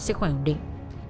sức khỏe ổn định